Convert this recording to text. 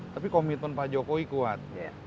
tapi komitmen pak jokowi kuat